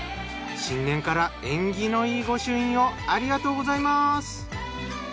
新年から縁起のいい御朱印をありがとうございます！